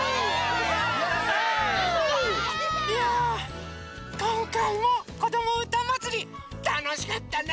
いやこんかいも「こどもうたまつり」たのしかったね！